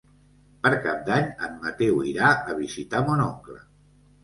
Per Cap d'Any en Mateu irà a visitar mon oncle.